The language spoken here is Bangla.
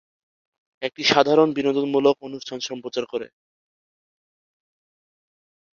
এটি সাধারণ বিনোদনমূলক অনুষ্ঠান সম্প্রচার করে।